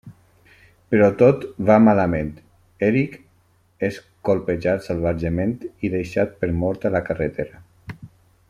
Però tot va malament, Eric és colpejat salvatgement i deixat per mort a la carretera.